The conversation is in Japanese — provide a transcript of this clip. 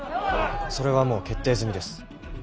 それはもう決定済みです。